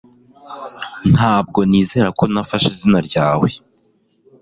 Ntabwo nizera ko nafashe izina ryawe